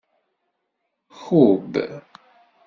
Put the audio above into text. Kubb.